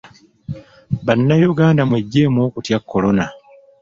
Bannayuganda mweggyemu okutya Kolona.